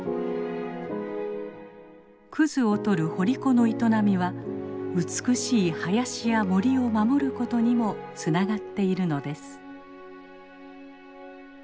クズを採る掘り子の営みは美しい林や森を守ることにもつながっているのです。